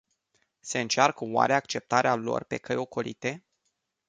Se încearcă oare acceptarea lor pe căi ocolite?